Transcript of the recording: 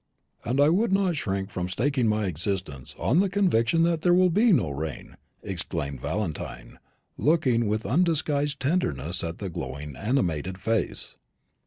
"And I would not shrink from staking my existence on the conviction that there will be no rain," exclaimed Valentine, looking with undisguised tenderness at the glowing animated face.